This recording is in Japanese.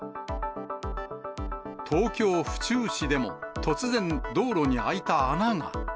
東京・府中市でも、突然、道路に開いた穴が。